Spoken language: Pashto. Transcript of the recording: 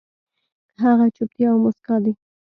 هغه چوپتيا او موسکا دي